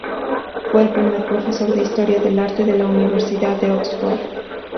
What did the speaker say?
Fue el primer profesor de historia del arte en la Universidad de Oxford.